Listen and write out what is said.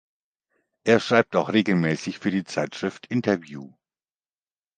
Er schreibt auch regelmäßig für die Zeitschrift "Interview".